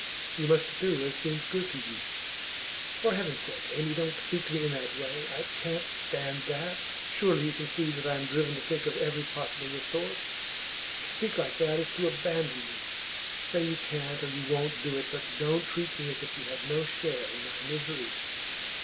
'You must do as seems good to you.' 'For Heaven's sake, Amy, don't speak to me in that way! I can't stand that! Surely you can see that I am driven to think of every possible resource. To speak like that is to abandon me. Say you can't or won't do it, but don't treat me as if you had no share in my miseries!